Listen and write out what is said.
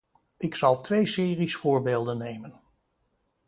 Ik zal twee series voorbeelden nemen.